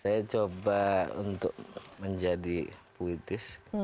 saya coba untuk menjadi puitis